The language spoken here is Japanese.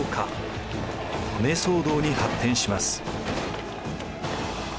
米騒動に発展します。